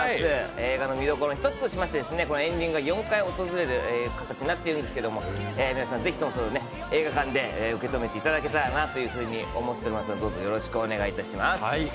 映画の見どころの１つとしてエンディングが４回訪れる形になっているんですけれども皆さんぜひ映画館で受け止めていただけたらなと思っておりますのでどうぞよろしくお願いいたします。